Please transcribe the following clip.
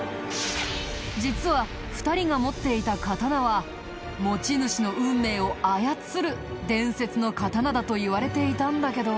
実は２人が持っていた刀は持ち主の運命を操る伝説の刀だといわれていたんだけど。